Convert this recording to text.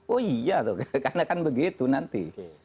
oh iya tuh karena kan begitu nanti